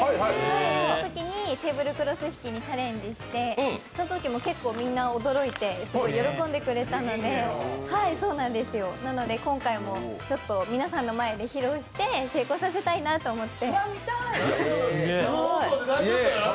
そのときにテーブルクロス引きにチャレンジしてそのときも結構、みんな驚いて喜んでくれたのでなので今回もちょっと皆さんの前で披露して成功させたいなと思って。